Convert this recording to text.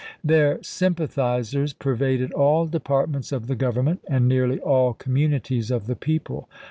Their sympa thizers pervaded all departments of the Government and nearly all communities of the people.